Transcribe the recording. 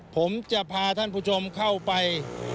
ผมจะพาท่านผู้ชมเข้าไป